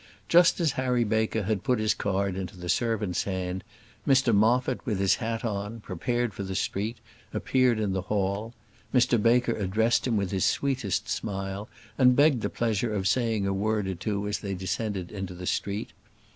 Just as Harry Baker had put his card into the servant's hand, Mr Moffat, with his hat on, prepared for the street, appeared in the hall; Mr Baker addressed him with his sweetest smile, and begged the pleasure of saying a word or two as they descended into the street.